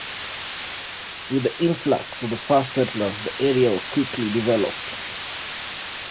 With the influx of the first settlers, the area was quickly developed.